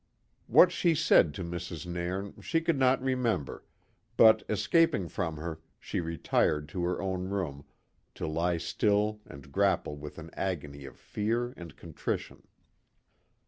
What she said to Mrs. Nairn she could not remember, but escaping from her, she retired to her own room, to lie still and grapple with an agony of fear and contrition.